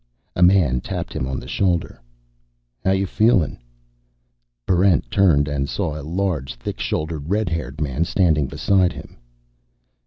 A man tapped him on the shoulder. "How you feeling?" Barrent turned and saw a large, thick shouldered red haired man standing beside him.